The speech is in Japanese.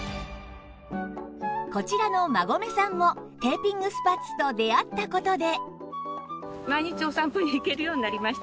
こちらの馬込さんもテーピングスパッツと出会った事で